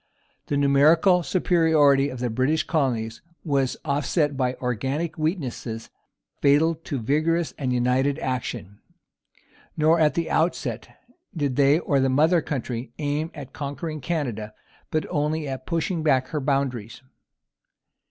The numerical superiority of the British colonies was offset by organic weaknesses fatal to vigorous and united action. Nor at the outset did they, or the mother country, aim at conquering Canada, but only at pushing back her boundaries.